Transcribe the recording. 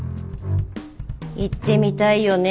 言ってみたいよね